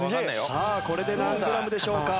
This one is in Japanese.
さあこれで何グラムでしょうか？